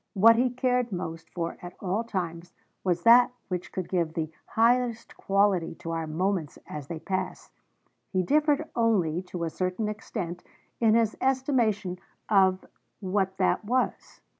What he cared most for at all times was that which could give 'the highest quality to our moments as they pass'; he differed only, to a certain extent, in his estimation of what that was.